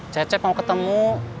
cecek mau ketemu